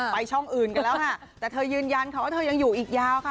ช่องอื่นกันแล้วค่ะแต่เธอยืนยันค่ะว่าเธอยังอยู่อีกยาวค่ะ